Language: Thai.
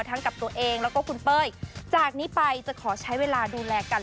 กับตัวเองแล้วก็คุณเป้ยจากนี้ไปจะขอใช้เวลาดูแลกัน